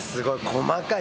細かい。